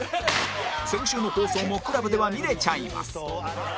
先週の放送も ＣＬＵＢ では見れちゃいます